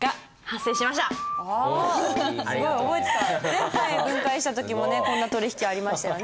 前回分解した時もねこんな取引ありましたよね。